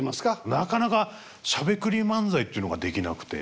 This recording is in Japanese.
なかなかしゃべくり漫才っていうのができなくて。